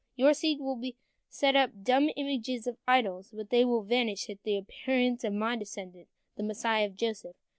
Your seed will set up dumb images of idols, but they will vanish at the appearance of my descendant, the Messiah of Joseph.